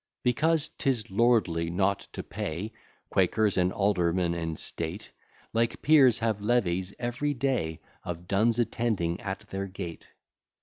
Because 'tis lordly not to pay, Quakers and aldermen in state, Like peers, have levees every day Of duns attending at their gate.